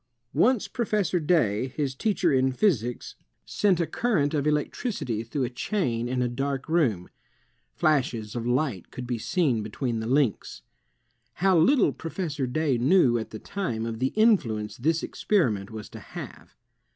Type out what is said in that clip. Once Professor Day, his teacher in physics, sent a current 214 INVENTIONS OF PRINTING AND COMMUNICATION of electricity through a chain in a dark room. Flashes of light could be seen between the links. How little Professor Day knew at the time of the influence this ex periment was to have!